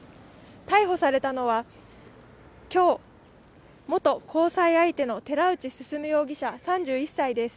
逮捕されたのは、元交際相手の寺内進容疑者３１歳です。